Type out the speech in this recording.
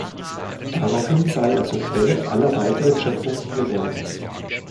Daraufhin sei er zur Quelle aller weiteren Schöpfungen geworden.